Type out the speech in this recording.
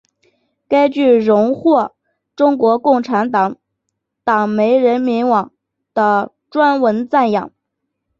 该剧荣获中国共产党党媒人民网的专文赞扬。